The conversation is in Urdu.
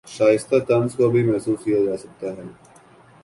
شائستہ طنز کو بھی محسوس کیا جاسکتا ہے